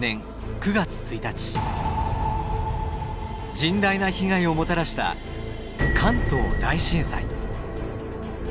甚大な被害をもたらした関東大震災。